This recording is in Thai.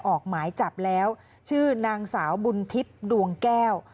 ออกหมายจับแล้วชื่อนางสาวบุญทิพย์ดวงแก้ว